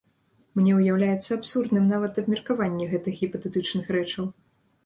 Мне ўяўляецца абсурдным нават абмеркаванне гэтых гіпатэтычных рэчаў.